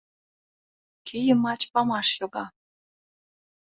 Кӱ йымач памаш йога.